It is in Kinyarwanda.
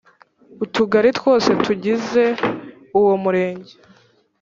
Utugari twose tugize uwo Murenge